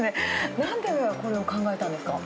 なんでこれを考えたんですか？